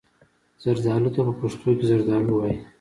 زردالو ته په پښتو کې زردالو وايي.